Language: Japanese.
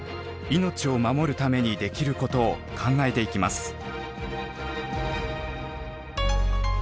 命を守るためにできることを考えていきます。